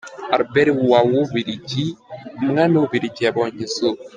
Albert wa w’Ububiligi, umwami w’ububiligi yabonye izuba.